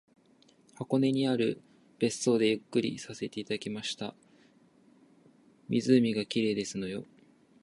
箱根にある別荘でゆっくりさせていただきました。湖が綺麗ですのよ